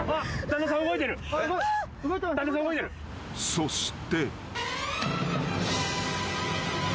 ［そして］